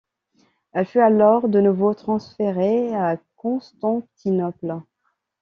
Elle fut alors de nouveau transférée à Constantinople.